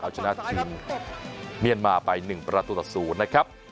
เอาชนะทีมเมียนมาไป๑ประตูต่อ๐นะครับ